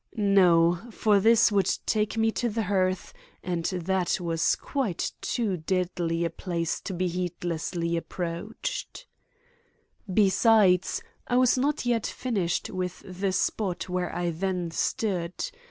No, for this would take me to the hearth and that was quite too deadly a place to be heedlessly approached. Besides, I was not yet finished with the spot where I then stood.